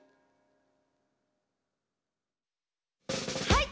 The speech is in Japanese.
はい！